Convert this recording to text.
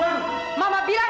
sini mama mau buang